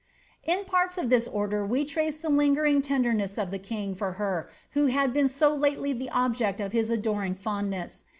'" is of this order we trace the lingering tenderness of the king for • had been so lately tiie object of his adoring fondness.